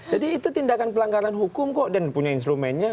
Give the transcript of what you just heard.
jadi itu tindakan pelanggaran hukum kok dan punya instrumennya